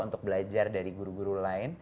untuk belajar dari guru guru lain